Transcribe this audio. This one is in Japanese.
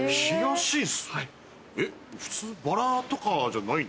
えっ普通バラとかじゃないんですか？